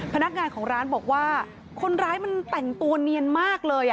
พนักงานของร้านบอกว่าคนร้ายมันแต่งตัวเนียนมากเลย